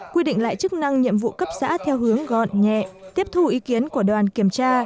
quy định lại chức năng nhiệm vụ cấp xã theo hướng gọn nhẹ tiếp thu ý kiến của đoàn kiểm tra